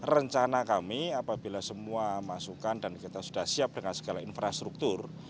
rencana kami apabila semua masukan dan kita sudah siap dengan segala infrastruktur